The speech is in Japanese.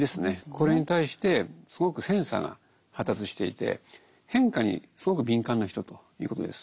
これに対してすごくセンサーが発達していて変化にすごく敏感な人ということです。